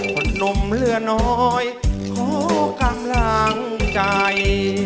ดนมเหลือน้อยขอกำลังใจ